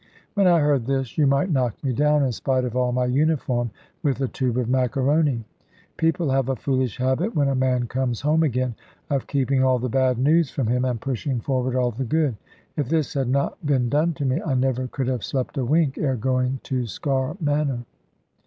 When I heard this, you might knock me down, in spite of all my uniform, with a tube of macaroni. People have a foolish habit, when a man comes home again, of keeping all the bad news from him, and pushing forward all the good. If this had not been done to me, I never could have slept a wink, ere going to Sker Manor.